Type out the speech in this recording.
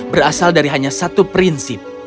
berasal dari hanya satu prinsip